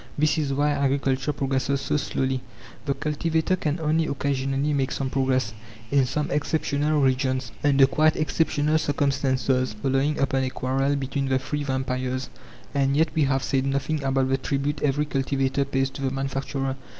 This is why agriculture progresses so slowly. The cultivator can only occasionally make some progress, in some exceptional regions, under quite exceptional circumstances, following upon a quarrel between the three vampires. And yet we have said nothing about the tribute every cultivator pays to the manufacturer.